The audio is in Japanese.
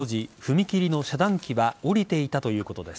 事故当時、踏切の遮断機は下りていたということです。